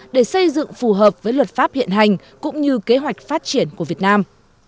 để xây dựng phù hợp với luật pháp hiện hành cũng như kế hoạch phát triển của việt nam